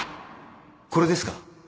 これですか？